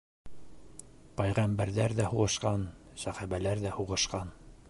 Пәйғәмбәрҙәр ҙә һуғышҡан, сәхәбәләр ҙә һуғышҡан.